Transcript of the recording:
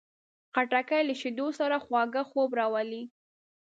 خټکی له شیدو سره خواږه خوب راولي.